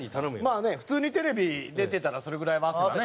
まあね普通にテレビ出てたらそれぐらいは汗はね。